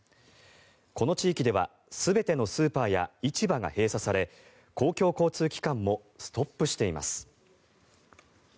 この地域では全てのスーパーや市場が閉鎖され公共交通機関もストップしています。